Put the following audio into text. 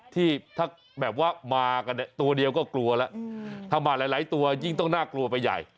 ที่ถ้าแบบว่ามากันเนี่ยตัวเดียวก็กลัวแล้วถ้ามาหลายตัวยิ่งต้องน่ากลัวไปใหญ่